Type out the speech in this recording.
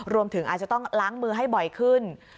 รวมถึงอาจจะต้องล้างมือให้บ่อยขึ้น